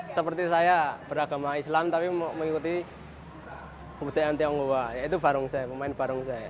seperti saya beragama islam tapi mengikuti budaya tionghoa yaitu barongsai pemain barongsai